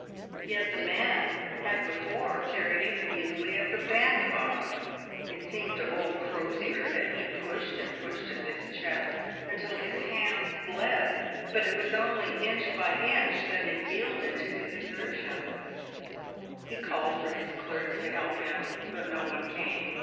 Yet the man had before carried it easily as a bandbox. It seemed to old Crosier that he pushed and 2d 402 PAYED WITH GOLD. pushed at this chest until his hands bled, but it was only inch by inch that it yielded to his exertions. He called for his clerks to help him, but no one came.